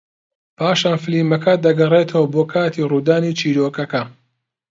پاشان فیلمەکە دەگەڕێتەوە بۆ کاتی ڕوودانی چیرۆکەکە